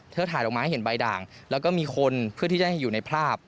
ถ่ายออกมาให้เห็นใบด่างแล้วก็มีคนเพื่อที่จะให้อยู่ในภาพ